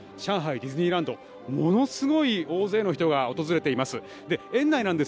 ディズニーランドものすごい大勢の人が訪れています。